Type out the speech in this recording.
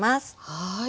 はい。